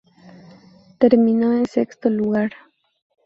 Terminó en sexto lugar.